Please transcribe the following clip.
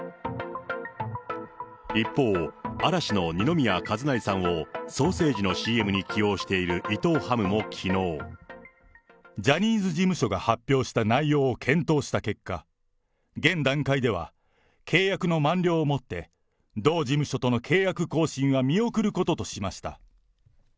一方、嵐の二宮和也さんをソーセージのＣＭに起用している伊藤ハムもきジャニーズ事務所が発表した内容を検討した結果、現段階では契約の満了をもって、同事務所との契約更新は見送ることとしました。